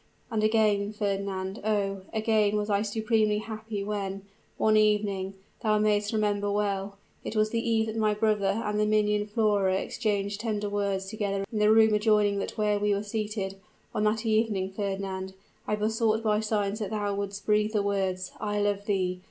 And again, Fernand oh! again was I supremely happy when, one evening thou may'st remember well, it was the eve that my brother and the minion Flora exchanged tender words together in the room adjoining that where we were seated on that evening, Fernand, I besought by signs that thou wouldst breathe the words _I love thee!